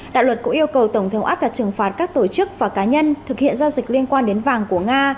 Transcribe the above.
đạo luật cũng yêu cầu tổng thống áp đặt trừng phạt các tổ chức và cá nhân thực hiện giao dịch liên quan đến vàng của nga